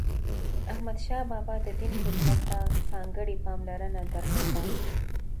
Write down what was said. احمدشاه بابا د دین خدمت ته ځانګړی پاملرنه درلوده.